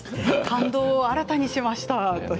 感動を新たにしました。